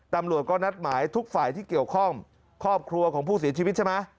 ตำรวจก็นัดหมายทุกฝ่ายที่เกี่ยวข้องครอบครัวของผู้เสียชีวิตใช่ไหม